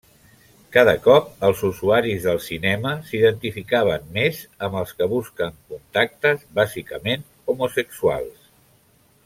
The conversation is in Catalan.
Cada cop els usuaris del cinema s’identificaven més amb els que busquen contactes bàsicament homosexuals.